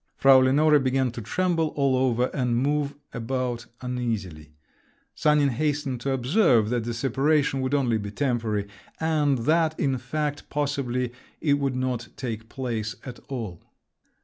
Frau Lenore began to tremble all over and move about uneasily…. Sanin hastened to observe that the separation would only be temporary, and that, in fact, possibly it would not take place at all!